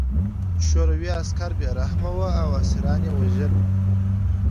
شوروي عسکر بې رحمه وو او اسیران یې وژل